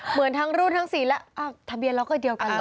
เหมือนทั้งรุ่นทั้งสีแล้วอ้าวทะเบียนเราก็เดียวกัน